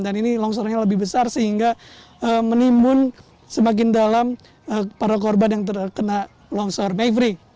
dan ini longsorannya lebih besar sehingga menimbun semakin dalam para korban yang terkena longsor mayfrey